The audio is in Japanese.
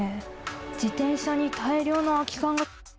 自転車に大量の空き缶が。